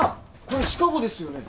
これシカゴですよね？